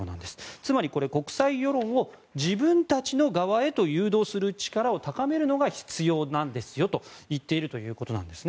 つまり国際世論を自分たちの側へと誘導する力を高めるのが必要なんですよと言っているということです。